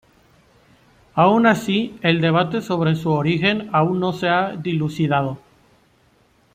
Aun así el debate sobre su origen aún no se ha dilucidado.